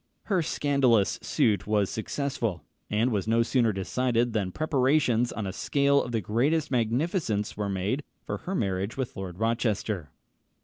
Her scandalous suit was successful, and was no sooner decided than preparations on a scale of the greatest magnificence were made for her marriage with Lord Rochester.